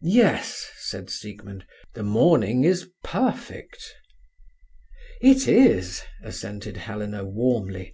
"Yes," said Siegmund, "the morning is perfect." "It is," assented Helena warmly.